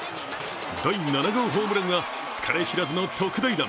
第７号ホームランは疲れ知らずの特大弾。